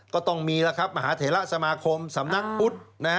ก็ต้องมีแล้วครับมหาเถระสมาคมสำนักพุทธ